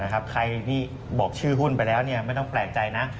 ใครที่บอกชื่อหุ้นไปแล้วไม่ต้องแปลกใจนะ